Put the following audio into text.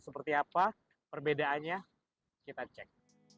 seperti apa perbedaannya kita cek